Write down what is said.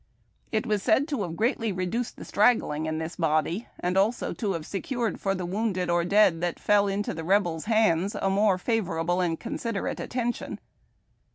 It was saul to have greatly reduced the straggling in this body, and also to have secured for the wounded or dead that fell into the Rebels' hands a more favorable and considerate atten tion.